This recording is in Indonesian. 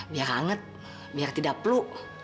biar hangat biar tidak peluk